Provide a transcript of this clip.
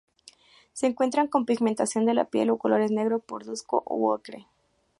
Se encuentran con pigmentación de la piel en colores negro, parduzco u ocre.